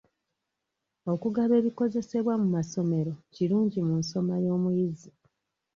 Okugaba ebikozesebwa mu masomero kirungi mu nsoma y'omuyizi.